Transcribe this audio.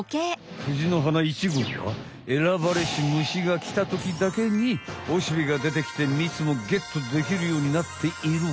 フジの花１号は「選ばれし虫」がきたときだけにオシベがでてきてみつもゲットできるようになっている。